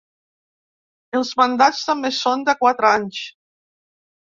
Els mandats també són de quatre anys.